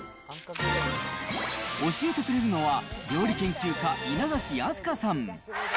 教えてくれるのは、料理研究家、稲垣飛鳥さん。